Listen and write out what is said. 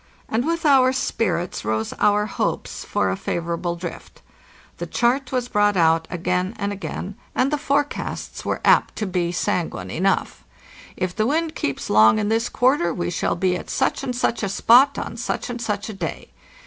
And with our spirits rose our hopes for a favorable drift. The chart was brought out again and again, MARCH 15° LO SUNE 223 (1805 619 and the forecasts made were apt to be sanguine enough. "If the wind keeps long in this quarter we shall be at such and such a spot on such and such a day.